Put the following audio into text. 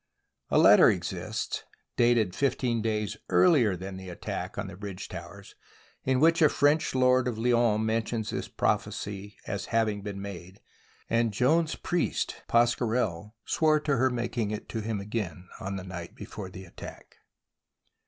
A letter exists, dated fifteen days earlier than the attack on the bridge towers, in which a French lord of Lyons mentions this prophecy as having been made, and Joan's priest Pasquerel swore to her making it to him again on the night before the attack.